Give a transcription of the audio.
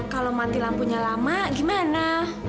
kalau mati lampunya lama gimana